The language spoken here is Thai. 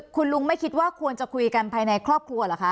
คุณลุงไม่คิดว่าควรจะคุยกันภายในครอบครัวเหรอคะ